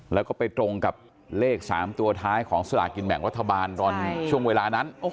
แล้วก็ไปตรงกับเลข๓ตัวท้ายของสลากินแม่งวัฒนภาพบาล